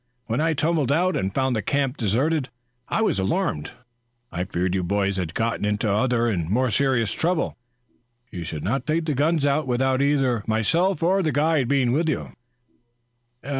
When I tumbled out and found the camp deserted, I was alarmed. I feared you boys had gotten into other and more serious trouble. You should not take the guns out without either myself or the guide being with you."